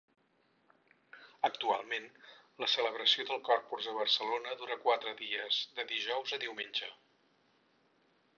Actualment, la celebració del Corpus a Barcelona dura quatre dies de dijous a diumenge.